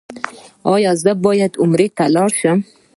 ایا زه باید عمرې ته لاړ شم؟